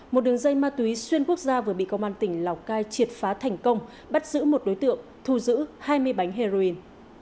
một đường dây ma túy xuyên quốc gia vừa bị công an tỉnh lào cai triệt phá thành công bắt giữ một đối tượng thu giữ hai mươi bánh heroin